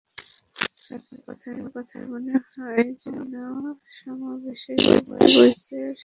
তাঁদের কথায় মনে হয়, যেন সমাবেশের সুবাস বইছে সারা দেশের বন্ধুদের মধ্যে।